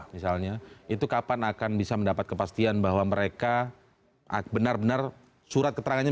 misalnya itu kapan akan bisa mendapat kepastian bahwa mereka benar benar surat keterangannya